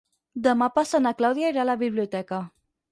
Demà passat na Clàudia irà a la biblioteca.